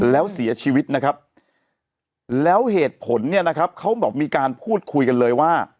แล้วเสียชีวิตนะครับแล้วเหตุผลเนี่ยนะครับเขาบอกมีการพูดคุยกันเลยว่า